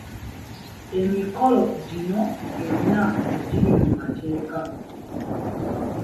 Emikolo gino gyonna tegiri mu mateeka.